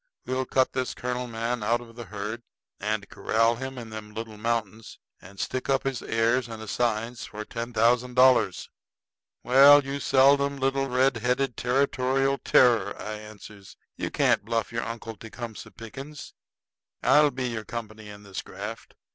We'll cut this colonel man out of the herd, and corral him in them little mountains, and stick up his heirs and assigns for ten thousand dollars." "Well, you seldom little red headed territorial terror," I answers, "you can't bluff your uncle Tecumseh Pickens! I'll be your company in this graft.